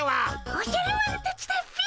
おじゃる丸たちだっピィ。